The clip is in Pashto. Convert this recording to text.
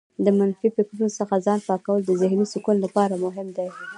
د منفي فکرونو څخه ځان پاکول د ذهنې سکون لپاره مهم دي.